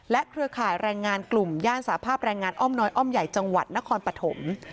เครือข่ายแรงงานกลุ่มย่านสาภาพแรงงานอ้อมน้อยอ้อมใหญ่จังหวัดนครปฐม